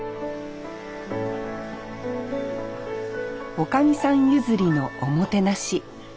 おかみさん譲りのおもてなし。